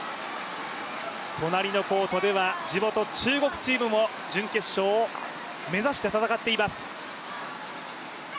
隣のコートでは地元・中国が準決勝を目指して戦っています